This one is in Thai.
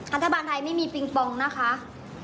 รัฐบาลไทยไม่มีปิงปองนะคะ